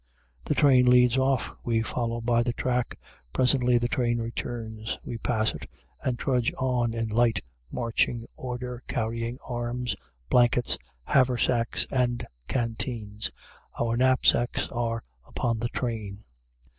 The train leads off. We follow, by the track. Presently the train returns. We pass it and trudge on in light marching order, carrying arms, blankets, haversacks, and canteens. Our knapsacks are upon the train.